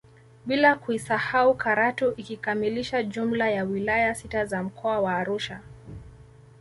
Bila kuisahau Karatu ikikamilisha jumla ya wilaya sita za mkoa wa Arusha